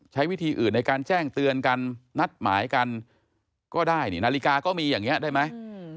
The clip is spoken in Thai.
ใช้วิธีอื่นในการแจ้งเตือนกันนัดหมายกันก็ได้นี่นาฬิกาก็มีอย่างนี้ได้ไหม